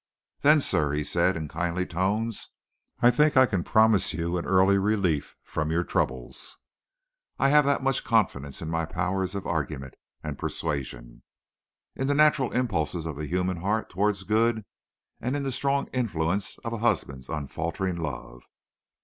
"Then, sir," he said, in kindly tones, "I think I can promise you an early relief from your troubles. I have that much confidence in my powers of argument and persuasion, in the natural impulses of the human heart toward good, and in the strong influence of a husband's unfaltering love.